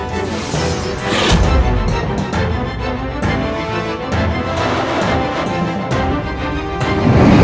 aku akan menangkanmu